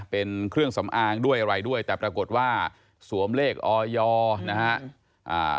เป็นเครื่องสำอางด้วยอะไรด้วยแต่ปรากฏว่าสวมเลขออยนะฮะอ่า